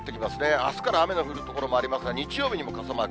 あすから雨が降る所もありますが、日曜日にも傘マーク。